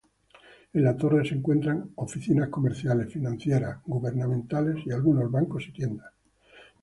En la torre se encuentran oficinas comerciales, financieras, gubernamentales y algunos bancos y tiendas.